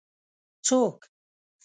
څوک